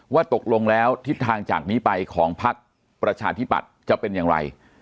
ว่าตกลงแล้วทิศทางจากนี้ไปของพักประชาธิปัตย์จะเป็นอย่างไร